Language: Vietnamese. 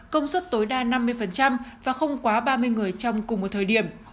công suất tối đa năm mươi và không quá ba mươi người trong cùng một thời điểm